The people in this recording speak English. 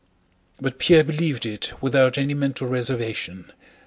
But Pierre believed it without any mental reservation.